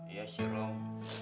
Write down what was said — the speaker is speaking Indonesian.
iya sih rum